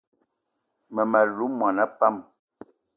Mmem- alou mona pam